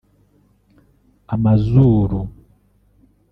amazuru